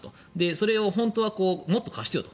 それを本当はもっと貸してよと。